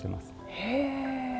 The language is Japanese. へえ。